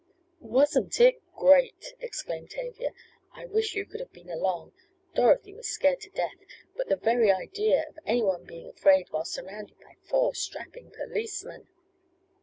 "Wasn't it great!" exclaimed Tavia. "I wish you could have been along. Dorothy was scared to death, but the very idea of any one being afraid while surrounded by four strapping policemen!"